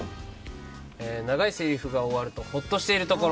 長いせりふが終わるとほっとしているところ。